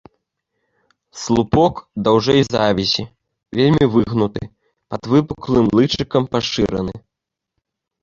Слупок даўжэй завязі, вельмі выгнуты, пад выпуклым лычыкам пашыраны.